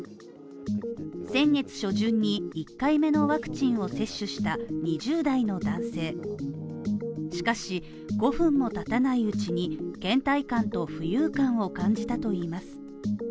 先月初旬に１回目のワクチンを接種した２０代の男性しかし５分も経たないうちに倦怠感と浮遊感を感じたといいます。